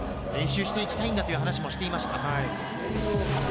練習していきたいんだという話もしていました。